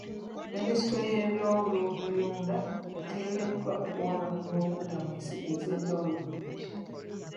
Minisitule y'ebyobulimirunda eteekeddwa okuwa abanoonyi b'obubuddamu ensigo ez'enjawulo ennungi.